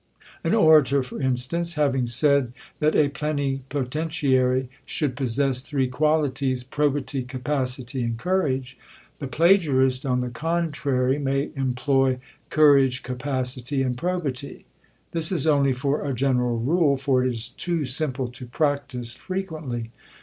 An orator, for instance, having said that a plenipotentiary should possess three qualities, probity, capacity, and courage; the plagiarist, on the contrary, may employ, courage, capacity, and probity. This is only for a general rule, for it is too simple to practise frequently.